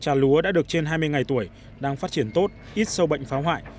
trà lúa đã được trên hai mươi ngày tuổi đang phát triển tốt ít sâu bệnh phá hoại